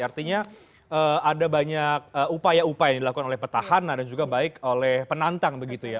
artinya ada banyak upaya upaya yang dilakukan oleh petahana dan juga baik oleh penantang begitu ya